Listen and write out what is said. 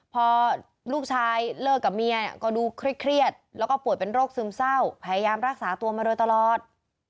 พอลูกชายเลิกกับเมียก็ดูเครียดแล้วก็ป่วยเป็นโรคซึมเศร้าพยายามรักษาตัวมาโดยตลอด